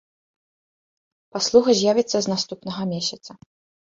Паслуга з'явіцца з наступнага месяца.